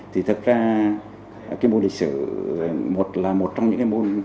thì thật ra cái môn lịch sử là một trong những môn